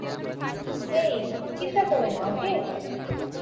হেই, চিন্তা করো না, ওকে?